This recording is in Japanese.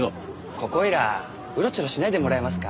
ここいらうろちょろしないでもらえますか？